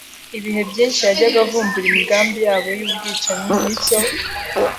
Ibihe byinshi yajyaga avumbura imigambi yabo y'ubwicanyi ni cyo